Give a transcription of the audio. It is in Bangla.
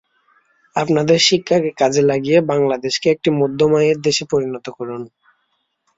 আপনাদের শিক্ষাকে কাজে লাগিয়ে বাংলাদেশকে একটি মধ্যম আয়ের দেশে পরিণত করুন।